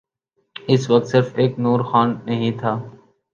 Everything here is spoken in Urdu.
اس وقت صرف ایک نور خان نہیں تھا۔